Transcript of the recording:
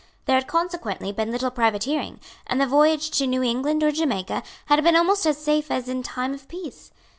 There had consequently been little privateering; and the voyage to New England or Jamaica had been almost as safe as in time of peace.